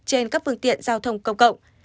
trên các phương tiện giao thông cộng cộng